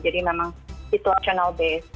jadi memang situational base